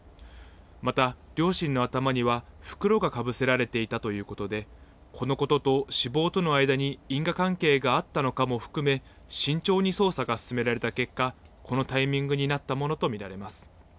また、両親の頭には袋がかぶせられていたということで、このことと死亡との間に因果関係があったのかも含め、慎重に捜査が進められた結果、このタイミングになったものと見られます。